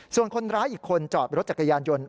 ส่วนคนร้ายอีกคนจอดรถจักรยานยนต์